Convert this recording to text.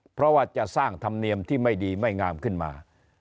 เพราะว่าจะสร้างธรรมเนียมที่ไม่ดีไม่งามขึ้นมา